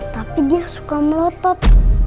tapi dia suka melotot